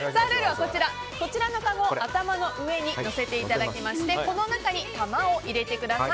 こちらのかごを頭の上に載せていただきましてこの中に玉を入れてください。